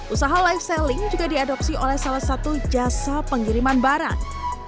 usaha live selling juga diadopsi oleh salah satu jasa pengiriman barang